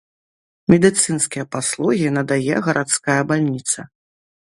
Медыцынскія паслугі надае гарадская бальніца.